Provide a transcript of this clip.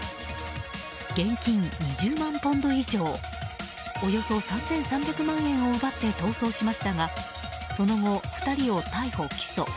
現金２０万ポンド以上およそ３３００万円を奪って逃走しましたがその後、２人を逮捕・起訴。